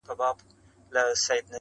o لږ به خورم ارام به اوسم٫